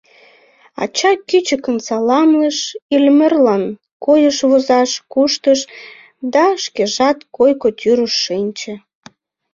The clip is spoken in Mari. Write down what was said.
Ача кӱчыкын саламлыш, Иллимарлан койкыш возаш кӱштыш да шкежат койко тӱрыш шинче.